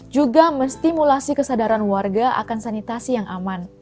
juga menstimulasi kesadaran warga akan sanitasi yang aman